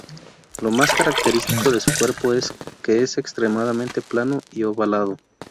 Lo más característico de su cuerpo es que es extremadamente plano y ovalado.